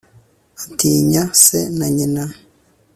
atinya se na nyina